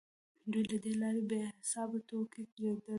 دوی له دې لارې بې حسابه توکي تولیدوي